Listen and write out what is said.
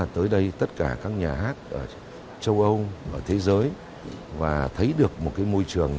tới đây tất cả các nhà hát ở châu âu và thế giới và thấy được một môi trường